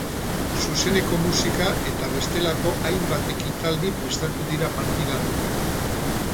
Zuzeneko musika eta bestelako hainbat ekitaldi prestatu dira partidarako.